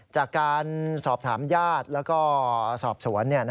จากการสอบถามญาติแล้วก็สอบสวน